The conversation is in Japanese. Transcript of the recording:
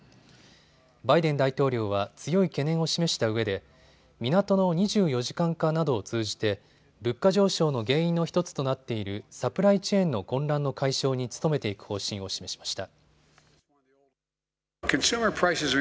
バイデン大統領は強い懸念を示したうえで港の２４時間化などを通じて物価上昇の原因の１つとなっているサプライチェーンの混乱の解消に努めていく方針を示しました。